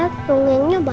si buruk rupa